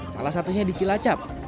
salah satunya di cilacap